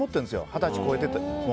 二十歳超えてても。